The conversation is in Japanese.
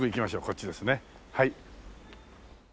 こっちですねはい。